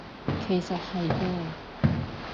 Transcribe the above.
其實係嘅